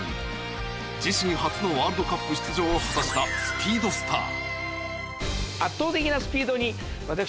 自身初のワールドカップ出場を果たしたスピードスター。